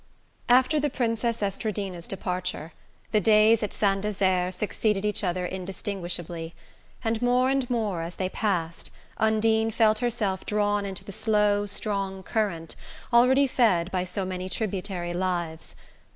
XL After the Princess Estradina's departure, the days at Saint Desert succeeded each other indistinguishably; and more and more, as they passed, Undine felt herself drawn into the slow strong current already fed by so many tributary lives.